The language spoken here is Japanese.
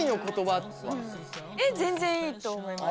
全然いいと思います。